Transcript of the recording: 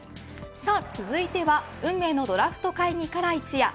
続いては運命のドラフト会議から一夜。